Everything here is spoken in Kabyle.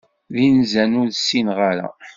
D inzan ur sinneɣ ara.